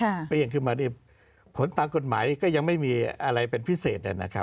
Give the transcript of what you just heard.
อ่าอ๋อสตชีมูลค่ะมันยังขึ้นมาได้ผลตามกฎหมายก็ยังไม่มีอะไรเป็นพิเศษนั่นนะครับ